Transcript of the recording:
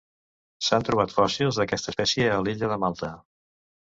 S'han trobat fòssils d'aquesta espècie a l'illa de Malta.